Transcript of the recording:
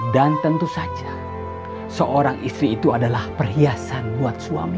dan tentu saja seorang istri itu adalah perhiasan buat suami